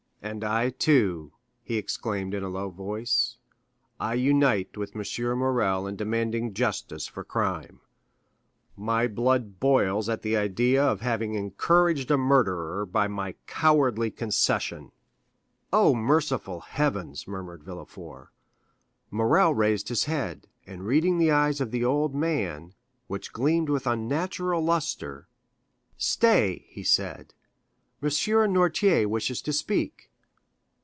"And I, too," he exclaimed in a low voice, "I unite with M. Morrel in demanding justice for crime; my blood boils at the idea of having encouraged a murderer by my cowardly concession." "Oh, merciful Heavens!" murmured Villefort. Morrel raised his head, and reading the eyes of the old man, which gleamed with unnatural lustre,— "Stay," he said, "M. Noirtier wishes to speak."